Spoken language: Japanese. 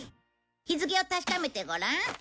日付を確かめてごらん。